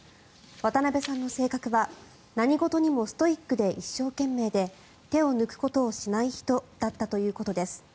渡辺さんの性格は何事にもストイックで一生懸命で手を抜くことをしない人だったということです。